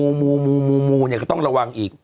อ่าหมูโดยก็ต้องระวังอีก